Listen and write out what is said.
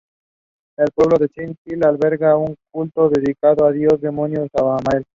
The party is now pro-European.